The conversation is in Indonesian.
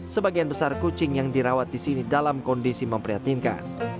sebagian besar kucing yang dirawat di sini dalam kondisi memprihatinkan